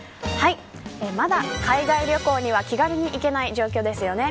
まだ海外旅行には気軽に行けない状況ですよね。